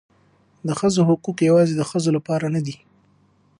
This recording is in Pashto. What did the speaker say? د ښځو حقوق یوازې د ښځو لپاره نه دي.